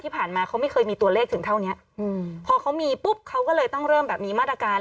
พอเขามีปุ๊บเขาก็เลยต้องเริ่มแบบมีมาตรการ